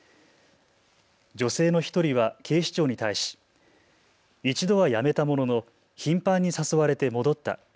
女性の１人は警視庁に対し一度は辞めたものの頻繁に誘われて戻った。